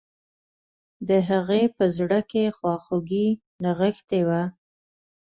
د هغې په زړه کې خواخوږي نغښتي وه